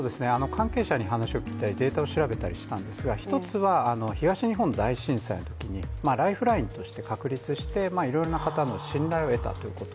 関係者に話を聞いたりデータを調べたりしたんですけれども一つは、東日本大震災のときにライフラインとして確立していろいろな方の信頼を得たということ。